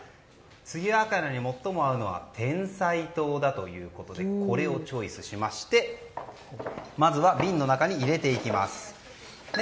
露茜に最も合うのはてんさい糖だということでこれをチョイスしまして瓶の中に入れていきます。